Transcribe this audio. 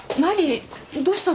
どうしたの？